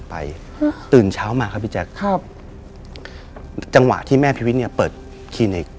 ขายนั้นถึงเช้ามาเข้าพิจารณะครับจังหวะที่แม่เฮ้นเปิดคีนี้